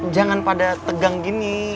jangan pada tegang gini